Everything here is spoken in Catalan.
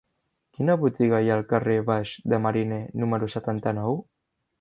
Quina botiga hi ha al carrer Baix de Mariner número setanta-nou?